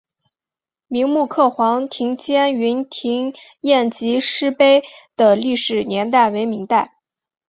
明摹刻黄庭坚云亭宴集诗碑的历史年代为明代。